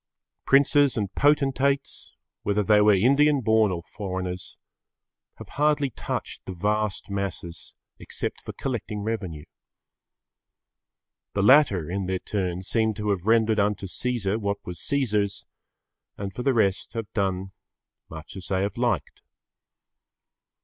Princes and potentates, whether they were Indian born or foreigners, have hardly touched the vast masses except for collecting revenue. The latter in their turn seem to have rendered unto Caesar what was Caesar's and for the rest have done much as they have liked.